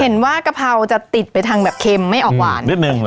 กว่ากะเพราจะติดไปทางแบบเค็มไม่ออกหวานนิดนึง